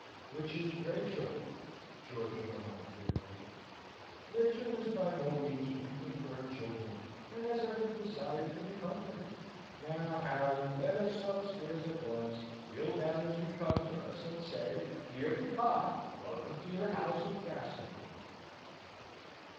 "Which is Rachel," George went on bitterly. "Rachel is by no means weeping for her children, and has every desire to be comforted. Now, Harry! Let us upstairs at once, kneel down as becomes us, and say, 'Dear papa, welcome to your house of Castlewood.'"